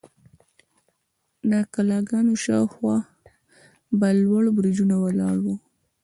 د کلاګانو شاوخوا به لوړ برجونه ولاړ وو.